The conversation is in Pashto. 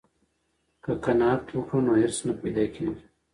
که قناعت وکړو نو حرص نه پیدا کیږي.